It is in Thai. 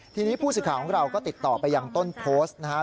ทีนี้ผู้สื่อข่าวของเราก็ติดต่อไปยังต้นโพสต์นะครับ